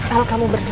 al kamu berdiri